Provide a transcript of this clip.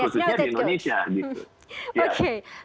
khususnya di indonesia gitu